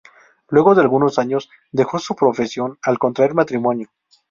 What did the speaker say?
Luego de algunos años, dejó su profesión al contraer matrimonio.